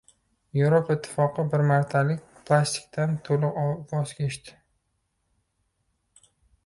Yevropa ittifoqi bir martalik plastikdan to‘liq voz kechdi